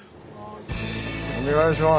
お願いします。